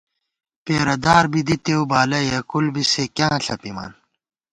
پېرہ دار بی دِتېؤ بالہ یېکُل بی سے کیاں ݪَپِمان